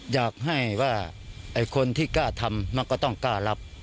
อยากให้ว่าไอ้คนที่กล้าทำมันก็ต้องกล้ารับ